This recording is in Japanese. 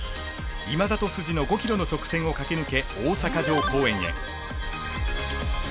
今里筋の５ｋｍの直線を駆け抜け大阪城公園へ！